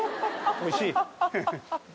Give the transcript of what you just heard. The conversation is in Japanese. おいしい？